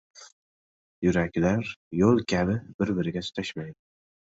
• Yuraklar yo‘l kabi bir-biriga tutashmaydi.